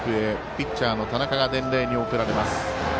ピッチャーの田中が伝令に送られます。